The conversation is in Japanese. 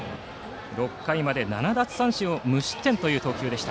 ６回まで７奪三振無失点という投球。